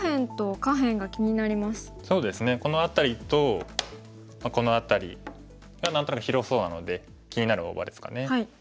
そうですねこの辺りとこの辺りが何となく広そうなので気になる大場ですかね。